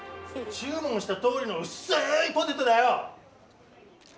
注文したとおりの薄いポテトだよ！